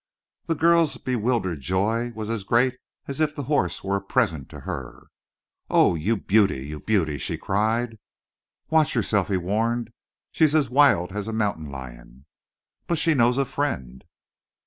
The girl's bewildered joy was as great as if the horse were a present to her. "Oh, you beauty, you beauty," she cried. "Watch yourself," he warned. "She's as wild as a mountain lion." "But she knows a friend!"